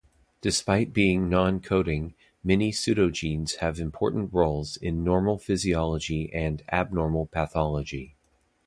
Despite being non-coding, many pseudogenes have important roles in normal physiology and abnormal pathology.